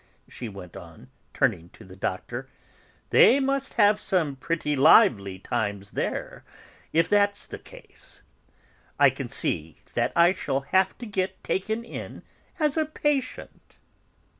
she went on, turning to the Doctor. "They must have some pretty lively times there, if that's the case. I can see that I shall have to get taken in as a patient!"